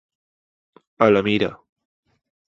A la mira.